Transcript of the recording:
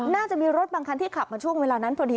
น่าจะมีรถบางคันที่ขับมาช่วงเวลานั้นพอดี